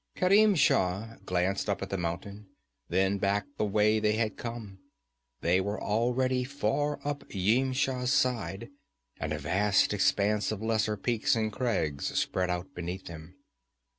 Kerim Shah glanced up the mountain, then back the way they had come; they were already far up Yimsha's side, and a vast expanse of lesser peaks and crags spread out beneath them.